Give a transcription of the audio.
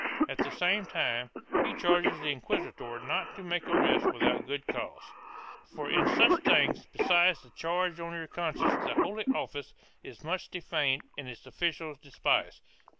At the same time he charges the inquisitor not to make arrests without good cause, "for in such things, besides the charge on your conscience, the Holy Office is much defamed and its officials despised."